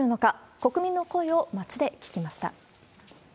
国民の声を街で聞きました。